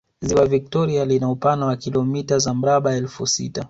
Ziwa Vitoria lina upana wa kilomita za mraba elfu sita